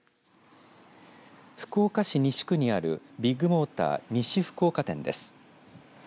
福岡市西区にあるビッグモーター西福岡店です。